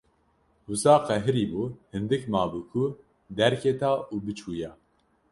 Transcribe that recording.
Wisa qehirîbû, hindik mabû ku derketa û biçûya.